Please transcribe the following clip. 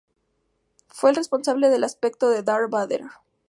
Fue el responsable del aspecto de Darth Vader.